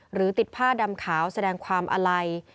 หรือติดผ้าดำขาวแสดงความอาลัย